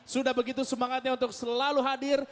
sudah begitu semangatnya untuk selalu hadir